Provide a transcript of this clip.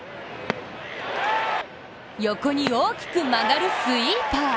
横に大きく曲がるスイーパー。